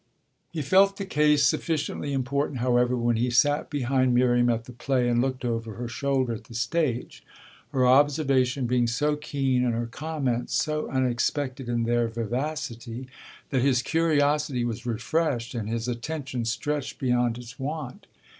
He felt the case sufficiently important, however, when he sat behind Miriam at the play and looked over her shoulder at the stage; her observation being so keen and her comments so unexpected in their vivacity that his curiosity was refreshed and his attention stretched beyond its wont.